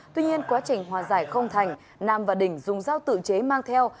tuy nhiên quá trình hòa giải không thành nam và đình dùng giao tự chế mang theo